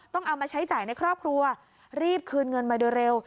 ต้องเอามาใช้จ่ายในครอบครัวรีบคืนเงินมาโดยเร็ว